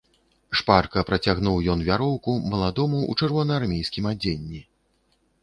Шпарка працягнуў ён вяроўку маладому ў чырвонаармейскім адзенні.